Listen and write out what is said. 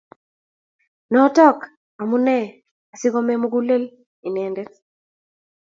Notok amune asikomee mukulel inendet